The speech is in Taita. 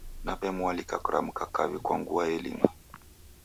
Naw'emualika kuramka kaw'i kwa ngua elima.